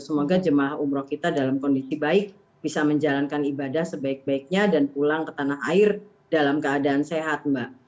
semoga jemaah umroh kita dalam kondisi baik bisa menjalankan ibadah sebaik baiknya dan pulang ke tanah air dalam keadaan sehat mbak